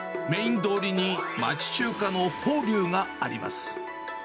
メイン通りに町中華の宝龍があります。